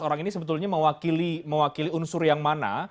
ke sebelas orang ini sebetulnya mewakili unsur yang mana